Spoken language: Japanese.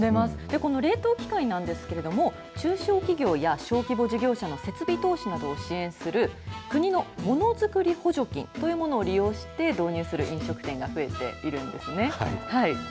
この冷凍機械なんですけど、中小企業や小規模事業者の設備投資などを支援する、国のものづくり補助金というものを利用して、導入する飲食店が増えているんですね。